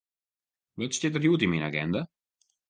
Wat stiet der hjoed yn myn aginda?